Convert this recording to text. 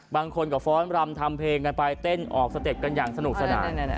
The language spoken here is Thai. บางคนก็ฟ้อนรำทำเพลงกันไปเต้นออกสเต็ปกันอย่างสนุกสนาน